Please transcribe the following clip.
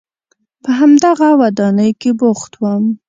په همدغه ودانۍ کې بوخت وم.